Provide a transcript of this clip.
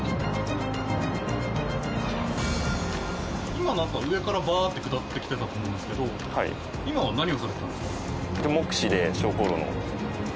今なんか上からバーッて下ってきてたと思うんですけど今は何をされてたんですか？